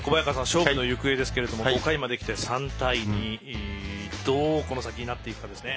勝負の行方ですけど５回まできて３対２どうこの先なっていくかですね。